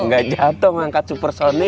gak jatoh mengangkat supersonik